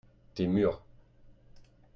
tes murs.